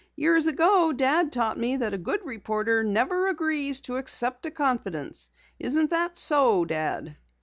Years ago Dad taught me that a good reporter never agrees to accept a confidence. Isn't that so, Dad?"